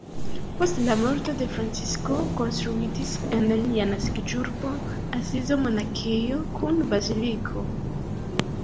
Post la morto de Francisko konstruitis en lia naskiĝurbo Asizo monakejo kun baziliko.